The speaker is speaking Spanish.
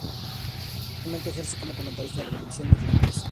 Actualmente ejerce como comentarista de la televisión irlandesa.